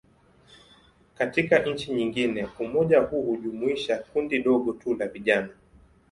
Katika nchi nyingine, umoja huu hujumuisha kundi dogo tu la vijana.